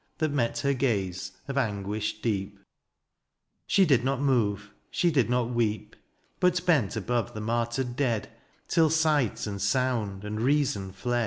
That met her gaze of anguish deep : She did not move, she did not weep. But bent above the martyred dead. Till sight, and soimd, and reason fled.